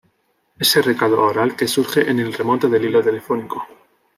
ese recado oral que surge en el remonte del hilo telefónico